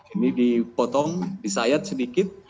ini dipotong disayat sedikit